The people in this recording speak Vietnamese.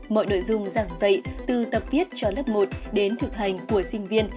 mọi nội dung giảng dạy từ tập viết cho lớp một đến thực hành của sinh viên